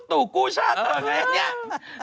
ตูกู้ชาติก็แหงเนี่ย